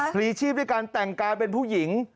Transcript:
พลีชีพด้วยการแต่งกายเป็นผู้หญิง